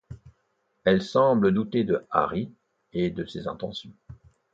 Elle semble douter de Harry et de ses intentions.